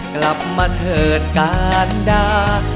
กลับมาเถิดการดา